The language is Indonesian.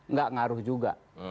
nggak ngaruh juga